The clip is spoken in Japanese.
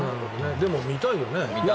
でも見たいよね。